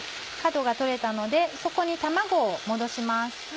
角が取れたのでそこに卵を戻します。